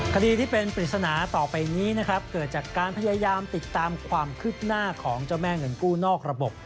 คดีที่เป็นปริศนาต่อไปนี้นะครับเกิดจากการพยายามติดตามความคืบหน้าของเจ้าแม่เงินกู้นอกระบบ